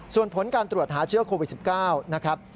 ส่วนผลการตรวจหาเชื้อโควิด๑๙